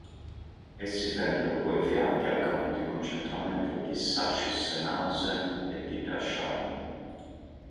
Essi vennero poi inviati al Campo di concentramento di Sachsenhausen e di Dachau.